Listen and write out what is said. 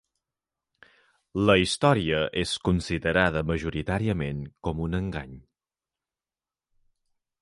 La història és considerada majoritàriament com un engany.